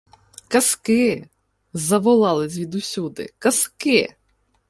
— Казки! — заволали звідусюди. — Казки!